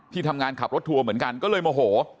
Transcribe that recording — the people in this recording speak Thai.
ทำงานขับรถทัวร์เหมือนกันก็เลยโมโห